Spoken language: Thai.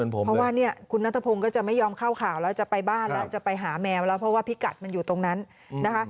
เพราะว่าเนี่ยคุณนัทพงศ์ก็จะไม่ยอมเข้าข่าวแล้วจะไปบ้านแล้วจะไปหาแมวแล้วเพราะว่าพิกัดมันอยู่ตรงนั้นนะคะ